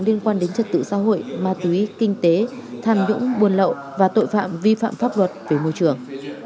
liên quan đến trật tự xã hội ma túy kinh tế tham nhũng buôn lậu và tội phạm vi phạm pháp luật về môi trường